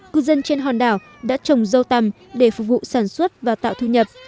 cư dân trên hòn đảo đã trồng dâu tằm để phục vụ sản xuất và tạo thu nhập